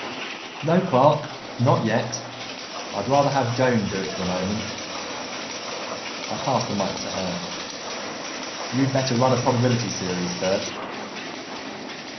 "No, Clark, not yet. I'd rather have Joan do it for the moment." I passed the mike to her. "You'd better run a probability series first."